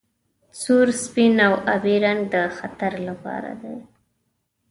سور سپین او ابي رنګ د خطر لپاره دي.